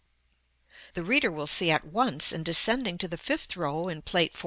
The reader will see at once, in descending to the fifth row in Plate XIV.